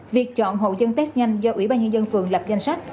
việc chọn hộ dân test nhanh do ủy ban nhân dân phường lập danh sách